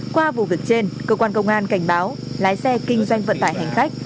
qua vụ việc trên cơ quan công an cảnh báo lái xe kinh doanh vận tải hành khách